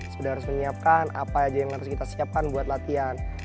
sudah harus menyiapkan apa aja yang harus kita siapkan buat latihan